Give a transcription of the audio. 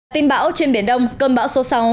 tin bão trên biển đông cơn bão số sáu